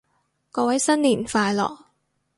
各位新年快樂